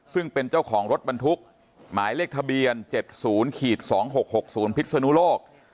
ซึ่งเป็นเจ้าของรถบรรทุกหมายเลขทะเบียน๗๐๒๖๖๐พิศนุโลก